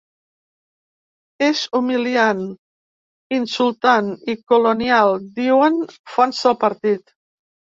És humiliant, insultant i colonial, diuen fonts del partit.